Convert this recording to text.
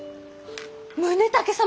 む宗武様！